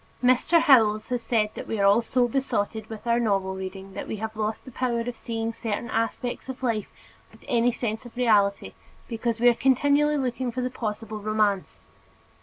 Mr. Howells has said that we are all so besotted with our novel reading that we have lost the power of seeing certain aspects of life with any sense of reality because we are continually looking for the possible romance.